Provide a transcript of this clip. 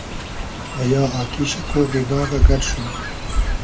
و یا آتیشۂ ، قۉغی داغۂ گئۮ شو